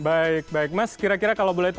baik baik mas kira kira kalau berlaku mas